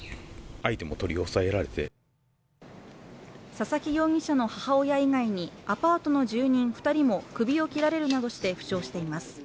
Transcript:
佐々木容疑者の母親以外にアパートの住人２人も首を切られるなどして負傷しています。